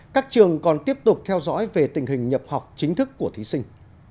các trường còn tiếp tục theo dõi về tình hình nhập học chính thức của thí sinh